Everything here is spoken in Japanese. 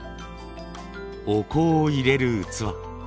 お香を入れる器。